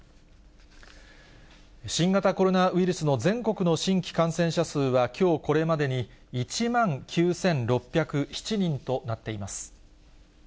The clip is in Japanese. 新型コロナウイルスの全国の新規感染者数は、きょうこれまでに、１万９６０７人となっています。